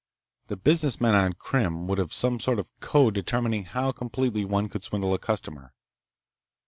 The business men on Krim would have some sort of code determining how completely one could swindle a customer.